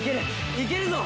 いけるぞ！